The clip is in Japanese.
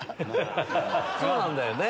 そうなんだよね。